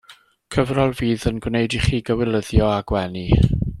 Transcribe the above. Cyfrol fydd yn gwneud i chi gywilyddio a gwenu!